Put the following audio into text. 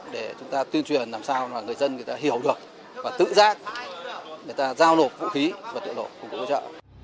để chúng ta tuyên truyền làm sao là người dân người ta hiểu được và tự giác người ta giao nộp vũ khí và tự nộp cùng với bố trợ